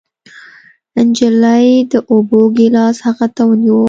نجلۍ د اوبو ګېلاس هغه ته ونيو.